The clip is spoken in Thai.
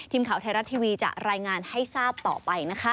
ทีมข่าวไทยรัฐทีวีจะรายงานให้ทราบต่อไปนะคะ